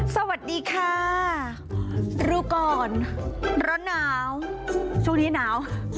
สวัสดีค่ะรู้ก่อนร้อนหนาวช่วงนี้หนาว